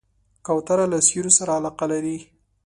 کوتره له سیوریو سره علاقه لري.